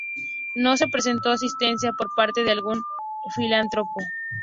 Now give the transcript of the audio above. No se prestó asistencia por parte de algún filántropo.